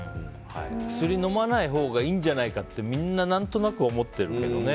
薬を飲まないほうがいいんじゃないかってみんな何となく思ってるけどね。